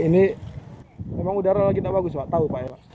ini memang udara lagi tidak bagus pak tahu pak ya pak